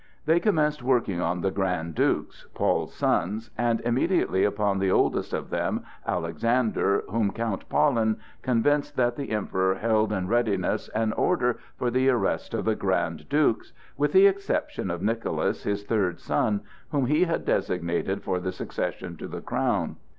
They commenced working on the Grand Dukes, Paul's sons, and especially upon the oldest of them, Alexander, whom Count Pahlen convinced that the Emperor held in readiness an order for the arrest of the Grand Dukes, with the exception of Nicholas, his third son, whom he had designated for the succession to the crown.